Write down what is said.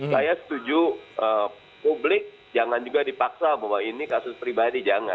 saya setuju publik jangan juga dipaksa bahwa ini kasus pribadi